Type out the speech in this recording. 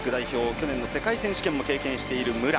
去年の世界選手権も経験している武良。